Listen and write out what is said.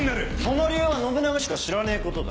その理由は信長しか知らねえことだ。